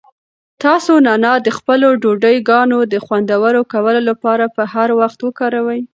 تاسو نعناع د خپلو ډوډۍګانو د خوندور کولو لپاره په هر وخت وکاروئ.